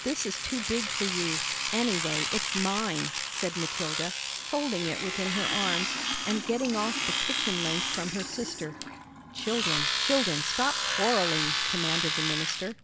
This is too big for you. Anyway, it's mine," said Matilda, folding it within her arms, and getting off the kitchen length from her sister. "Children, children, stop quarrelling," commanded the minister.